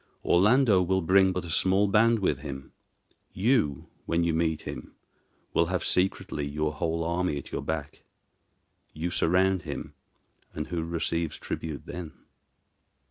Orlando will bring but a small band with him: you, when you meet him, will have secretly your whole army at your back. You surround him, and who receives tribute then?"